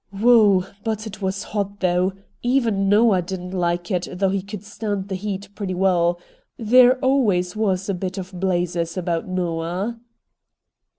'Whew! but it was hot though. Even Xoah didn't like it, though he could stand heat pretty well. There always was a bit of blazes about Xoah.'